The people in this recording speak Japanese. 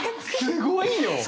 すごいよ。